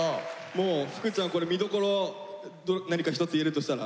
もう福ちゃんこれ見どころ何か一つ言えるとしたら。